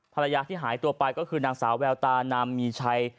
ภรรยาที่หายตัวไปก็คือนางสาวแววตานามมีชัย